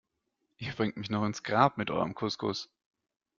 Ihr bringt mich noch ins Grab mit eurem Couscous.